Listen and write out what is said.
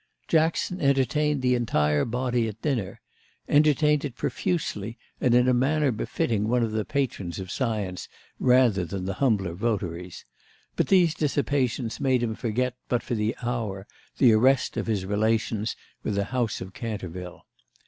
Jackson entertained the entire body at dinner—entertained it profusely and in a manner befitting one of the patrons of science rather than the humbler votaries; but these dissipations made him forget but for the hour the arrest of his relations with the house of Canterville.